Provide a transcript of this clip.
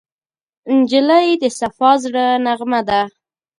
نجلۍ د صفا زړه نغمه ده.